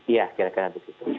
iya kira kira begitu